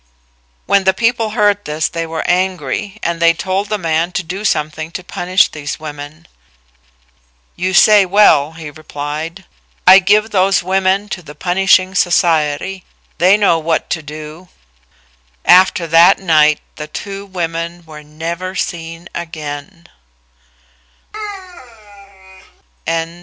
When the people heard this they were angry, and they told the man to do something to punish these women. "You say well," he replied; "I give those women to the punishing society. They know what to do." After that night the two women were never seen again.